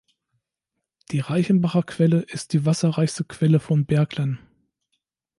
Die Reichenbacher Quelle ist die wasserreichste Quelle von Berglen.